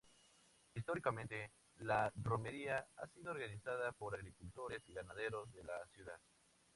Históricamente, la romería ha sido organizada por agricultores y ganaderos de la ciudad.